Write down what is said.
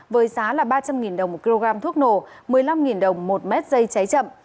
với giá là ba trăm linh đồng một kg thuốc nổ một mươi năm đồng một mét dây cháy chậm